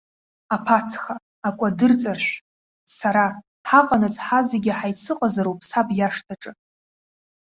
Аԥацха, акәадырҵаршә, сара, ҳаҟанаҵ ҳазегьы ҳаицыҟазароуп саб иашҭаҿы.